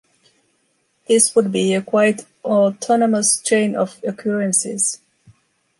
This would be a quite autonomous chain of occurrences.